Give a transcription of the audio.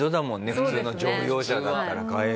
普通の乗用車だったら替えるの。